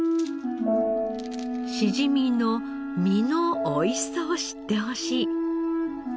しじみの身の美味しさを知ってほしい。